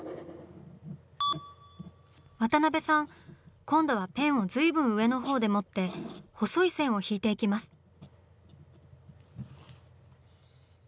渡辺さん今度はペンを随分上の方で持って細い線を引いていきます。